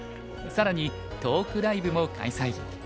更にトークライブも開催。